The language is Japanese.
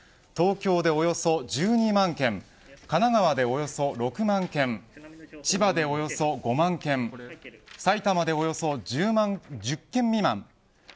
東京でおよそ１２万軒神奈川でおよそ６万軒千葉でおよそ５万軒埼玉でおよそ１０件未満